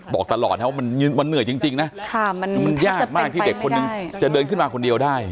บอกตลอดนะว่ามันเหนื่อยจริงนะมันยากมากที่เด็กคนนึงจะเดินขึ้นมาคนเดียวได้